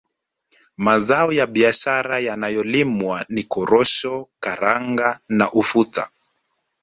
Mazao ya biashara yanayolimwa ni Korosho Karanga na Ufuta